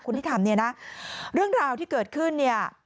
คุณที่ถามเนี่ยนะเรื่องราวที่เกิดขึ้น